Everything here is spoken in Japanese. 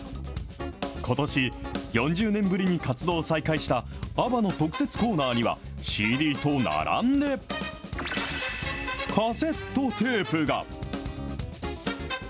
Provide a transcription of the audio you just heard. ことし、４０年ぶりに活動を再開したアバの特設コーナーには、ＣＤと並んで、カセットテープが。